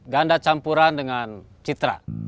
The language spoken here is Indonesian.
ganda campuran dengan citra